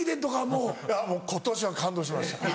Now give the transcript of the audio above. もう今年は感動しました。